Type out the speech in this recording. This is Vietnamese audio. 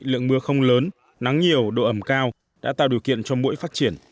lượng mưa không lớn nắng nhiều độ ẩm cao đã tạo điều kiện cho mũi phát triển